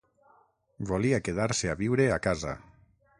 Volia quedar-se a viure a casa.